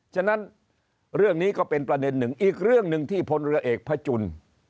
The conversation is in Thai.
ฉะนั้นเรื่องนี้ก็เป็นประเด็นหนึ่งอีกเรื่องหนึ่งที่พลเรือเอกพระจุล